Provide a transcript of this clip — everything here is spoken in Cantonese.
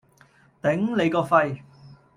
頂你個肺！